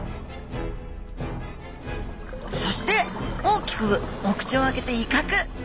そして大きくお口を開けていかく！